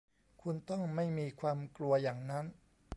คุณต้องไม่มีความกลัวอย่างนั้น